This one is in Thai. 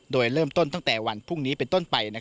โดยเริ่มต้นตั้งแต่วันพรุ่งนี้เป็นต้นไป